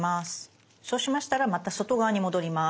そうしましたらまた外側に戻ります。